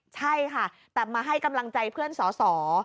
ใช่ค่ะแต่มาให้กำลังใจเพื่อนสอสอ